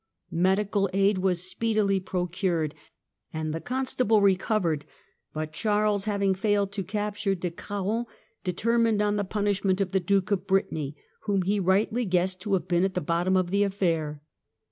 Medical aid was speedily procured and the Constable recovered ; but Charles having failed to capture De Craon determined on the punishment of the Duke of Brittany, whom he rightly guessed to have been at the bottom of the affair.